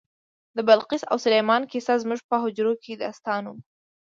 د بلقیس او سلیمان کیسه زموږ په حجرو کې داستان و.